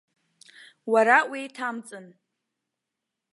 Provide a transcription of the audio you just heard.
Уара уеиҭамҵын!